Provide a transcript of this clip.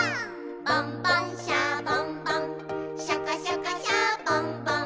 「ボンボン・シャボン・ボンシャカシャカ・シャボン・ボン」